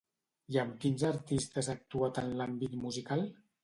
I amb quins artistes ha actuat en l'àmbit musical?